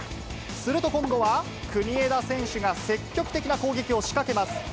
すると今度は、国枝選手が積極的な攻撃を仕掛けます。